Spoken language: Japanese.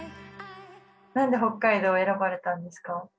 何で北海道を選ばれたんですか？